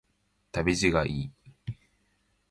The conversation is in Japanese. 旅路がいい